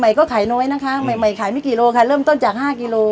ก็ขายน้อยนะคะใหม่ขายไม่กี่โลค่ะเริ่มต้นจาก๕กิโล